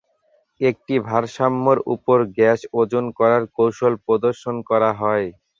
একটি ভারসাম্যের উপর গ্যাস ওজন করার কৌশল প্রদর্শন করা হয়।